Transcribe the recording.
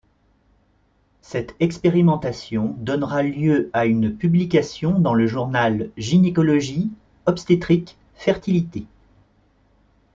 Cette expérimentation donnera lieu à une publication dans le journal Gynécologie Obstétrique Fertilité.